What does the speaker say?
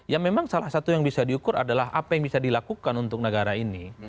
ya memang salah satu yang bisa diukur adalah apa yang bisa dilakukan untuk negara ini